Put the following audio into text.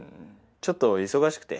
ちょっと忙しくて。